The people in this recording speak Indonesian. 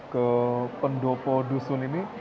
ke pendopo dusun ini